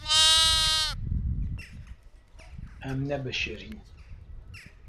Em nebişirîn.